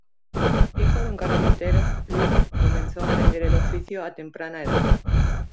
Hijo de un carpintero, Lick comenzó a aprender el oficio a temprana edad.